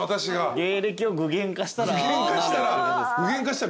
芸歴を具現化したら。